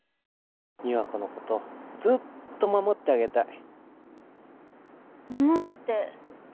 美和子のことずっと守ってあげたい。